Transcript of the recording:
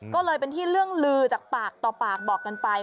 ก็เลยเป็นที่เรื่องลือจากปากต่อปากบอกกันไป